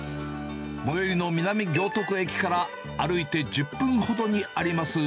最寄りの南行徳駅から歩いて１０分ほどにあります